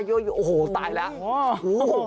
โอ้โหตายแล้ว